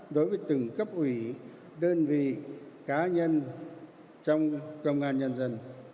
đối với từng cấp ủy đơn vị cá nhân trong công an nhân dân